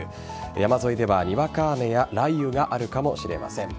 山沿いでは、にわか雨や雷雨があるかもしれません。